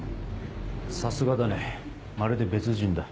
さすがだねまるで別人だ。